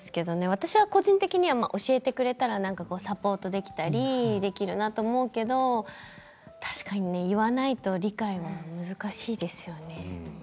私は個人的に教えてくれたらサポートできるのになと思うけど確かに言わないと理解も難しいですよね。